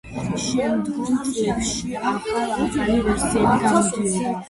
შემდგომ წლებში ახალ-ახალი ვერსიები გამოდიოდა.